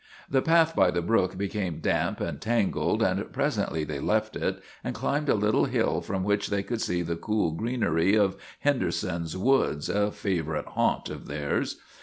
The path by the brook became damp and tangled, and presently they left it and climbed a little hill from which they could see the cool greenery of Hen derson's woods, a favorite haunt of theirs.